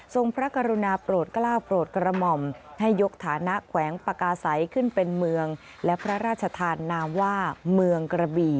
ทรงพระกรุณาโปรดกล้าวโปรดกระหม่อมให้ยกฐานะแขวงปากาไสขึ้นเป็นเมือง